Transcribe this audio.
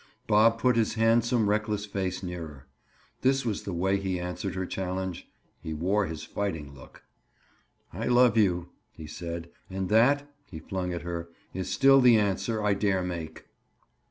Bob put his handsome reckless face nearer. That was the way he answered her challenge. He wore his fighting look. "I love you," he said. "And that," he flung at her, "is still the answer I dare make."